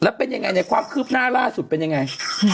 แล้วเป็นอย่างไรเนี่ยความคืบหน้าล่าสุดเป็นอย่างไร